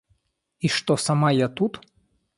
И что сама я тут?